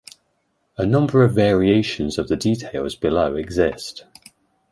A number of variations of the details below exist.